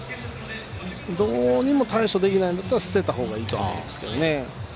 どうにも対処できないなら捨てたほうがいいと思います。